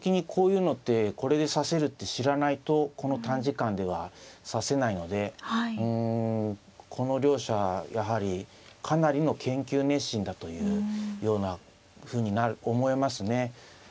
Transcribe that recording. これで指せるって知らないとこの短時間では指せないのでこの両者やはりかなりの研究熱心だというようなふうに思えますね。